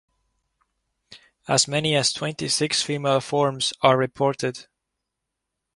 As many as twenty-six female forms are reported.